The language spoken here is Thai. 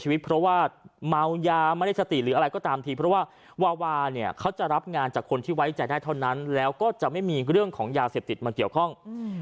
วาวาจะรับงานจากคนที่ไว้ใจได้เท่านั้นแล้วก็จะไม่มีเรื่องของยาเสพติดมาเกี่ยวข้อง